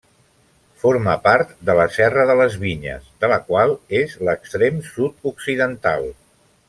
Forma part de la serra de les Vinyes, de la qual és l'extrem sud-occidental.